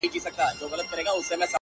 وږی پاته سو زخمي په زړه نتلی!